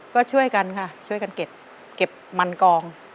ก็ช่วยกันค่ะช่วยกันเก็บมันกอง